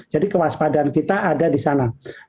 jadi kewaspadaan kita ada di sana